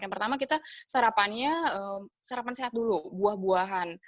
yang pertama kita sarapannya sarapan sehat dulu buah buahan